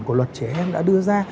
của luật trẻ em đã đưa ra